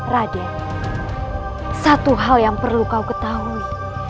raden satu hal yang perlu kau ketahui